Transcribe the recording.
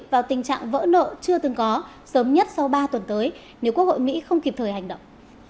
vào tình trạng vỡ nợ chưa từng có sớm nhất sau ba tuần tới nếu quốc hội mỹ không kịp thời hành động